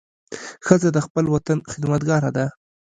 ښځه د خپل وطن خدمتګاره ده.